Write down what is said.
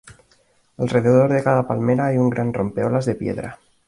Alrededor de cada palmera hay un gran rompeolas de piedra.